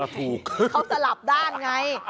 เขาสลับด้านไง